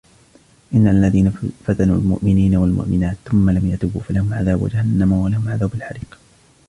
إِنَّ الَّذِينَ فَتَنُوا الْمُؤْمِنِينَ وَالْمُؤْمِنَاتِ ثُمَّ لَمْ يَتُوبُوا فَلَهُمْ عَذَابُ جَهَنَّمَ وَلَهُمْ عَذَابُ الْحَرِيقِ